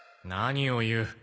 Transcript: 何を言う。